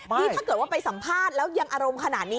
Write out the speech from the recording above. นี่ถ้าเกิดว่าไปสัมภาษณ์แล้วยังอารมณ์ขนาดนี้